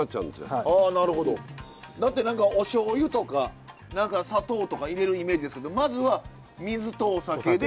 だって何かおしょうゆとか何か砂糖とか入れるイメージですけどまずは水とお酒で。